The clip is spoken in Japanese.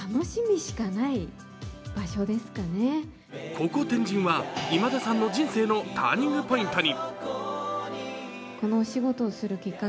ここ天神は今田さんの人生のターニングポイントに。